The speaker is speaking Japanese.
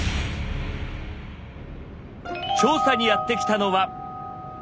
調査にやって来たのは。